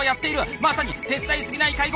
まさに手伝いすぎない介護！